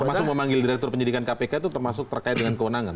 termasuk memanggil direktur penyidikan kpk itu termasuk terkait dengan kewenangan